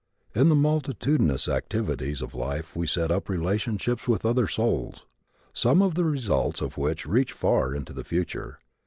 In the multitudinous activities of life we set up relationships with other souls, some of the results of which reach far into the future.